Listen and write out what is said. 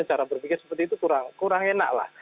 cara berpikir seperti itu kurang enaklah